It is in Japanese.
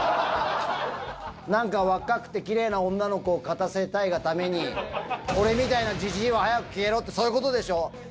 なんか若くてきれいな女の子を勝たせたいがために、俺みたいなじじいは早く消えろって、そういうことでしょ。